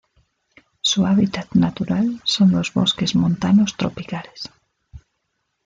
Su hábitat natural son los bosques montanos tropicales.